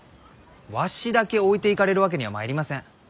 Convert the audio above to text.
わしだけ置いていかれるわけにはまいりません。